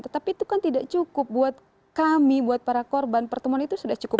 tetapi itu kan tidak cukup buat kami buat para korban pertemuan itu sudah cukup